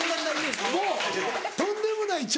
もうとんでもない長。